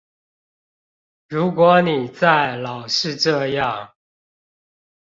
如果你再老是這樣